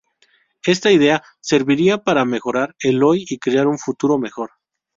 Esta idea serviría para mejorar el hoy y crear un futuro mejor.